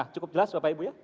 cukup jelas bapak ibu ya